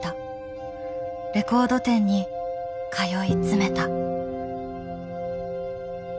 レコード店に通い詰めた。